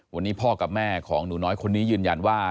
วันนี้พ่อกับแม่ของหนูน้อยคนนี้ยืนยันว่า